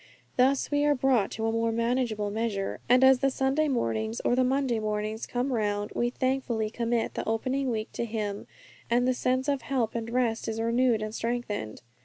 Thus we are brought to a more manageable measure; and as the Sunday mornings or the Monday mornings come round, we thankfully commit the opening week to Him, and the sense of help and rest is renewed and strengthened.